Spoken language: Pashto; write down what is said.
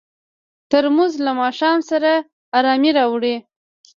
ترموز له ماښام سره ارامي راوړي.